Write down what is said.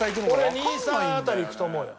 俺２３辺りいくと思うよ。